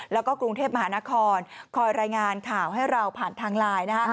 แล้วก็กรุงเทพมหานครคอยรายงานข่าวให้เราผ่านทางไลน์นะฮะ